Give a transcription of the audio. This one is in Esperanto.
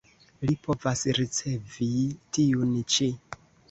Li povas ricevi tiun ĉi.